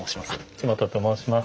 木元と申します。